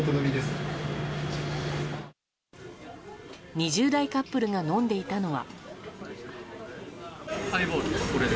２０代カップルが飲んでいたのは。